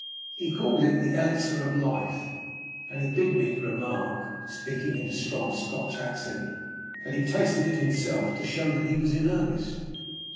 He called it the "elixir of life"; and he bid me remark (speaking in a strong Scotch accent) that he tasted it himself to show he was in earnest.